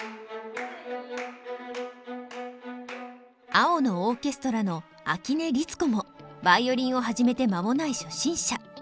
「青のオーケストラ」の秋音律子もヴァイオリンを始めて間もない初心者。